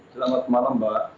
selamat malam mbak